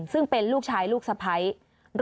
ซึ่งเป็นลูกชายลูกสะพ้าย